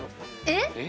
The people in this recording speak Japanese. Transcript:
えっ！？